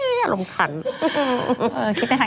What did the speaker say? เออคิดได้ทางจริงนะ